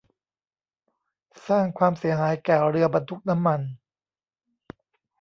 สร้างความเสียหายแก่เรือบรรทุกน้ำมัน